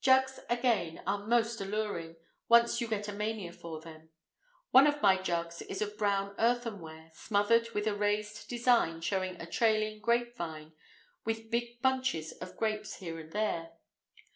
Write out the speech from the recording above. Jugs, again, are most alluring, once you get a mania for them! One of my jugs is of brown earthenware, smothered with a raised design showing a trailing grape vine, with big bunches of grapes here and there.